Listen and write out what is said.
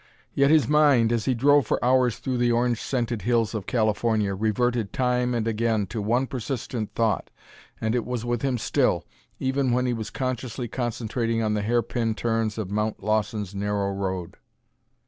Yet his mind, as he drove for hours through the orange scented hills of California, reverted time and again to one persistent thought. And it was with him still, even when he was consciously concentrating on the hairpin turns of Mount Lawson's narrow road.